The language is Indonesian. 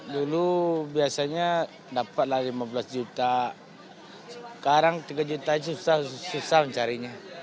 dulu biasanya dapat lah lima belas juta sekarang tiga juta susah mencarinya